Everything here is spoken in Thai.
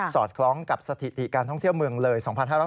อดคล้องกับสถิติการท่องเที่ยวเมืองเลย๒๕๖๒